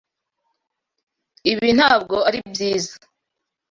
Ibi ntabwo ari byiza.